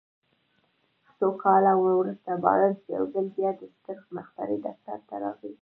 څو کاله وروسته بارنس يو ځل بيا د ستر مخترع دفتر ته راغی.